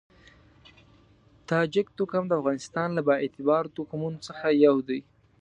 تاجک توکم د افغانستان له با اعتباره توکمونو څخه یو دی.